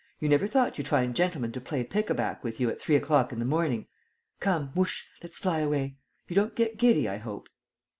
You never thought you'd find gentlemen to play pick a back with you at three o'clock in the morning! Come, whoosh, let's fly away! You don't get giddy, I hope?"